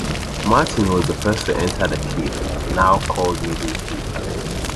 Martin was the first to enter the cave, now called Middle Cave.